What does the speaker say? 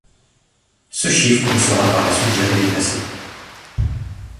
Ce chiffre ne sera par la suite jamais dépassé.